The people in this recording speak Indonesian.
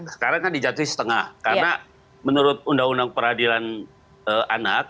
sekarang kan dijatuhi setengah karena menurut undang undang peradilan anak